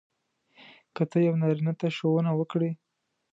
که ته یو نارینه ته ښوونه وکړې.